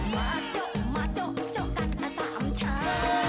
มาโจ๊กมาโจ๊กโจ๊กกันอสามชา